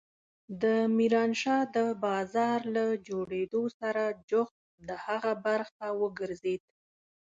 د ميرانشاه د بازار له جوړېدو سره جوخت د هغه برخه وګرځېد.